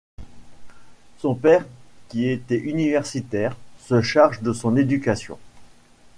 Son père, qui était universitaire, se charge de son éducation.